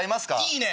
いいね！